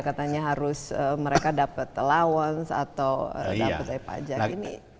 hanya harus mereka dapat allowance atau dapat pajak